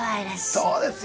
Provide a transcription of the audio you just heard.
そうですよ。